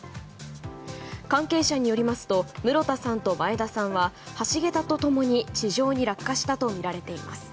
関係者によりますと室田さんと前田さんは橋げたと共に、地上に落下したとみられています。